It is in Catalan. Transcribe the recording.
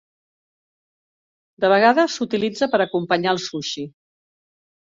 De vegades s'utilitza per acompanyar el sushi.